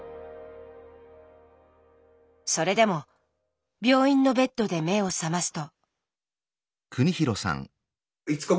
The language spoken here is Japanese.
それでも病院のベッドで目を覚ますと。